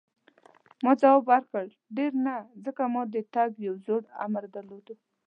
ما ځواب ورکړ: ډېر نه، ځکه ما د تګ یو زوړ امر درلود.